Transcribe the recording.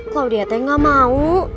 claudia teh gak mau